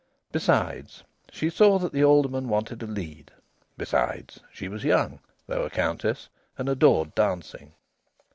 Besides, she saw that the aldermen wanted a lead. Besides, she was young, though a countess, and adored dancing.